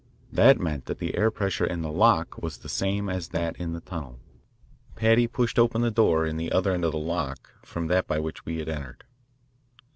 That meant that the air pressure in the lock was the same as that in the tunnel. Paddy pushed open the door in the other end of the lock from that by which we had entered.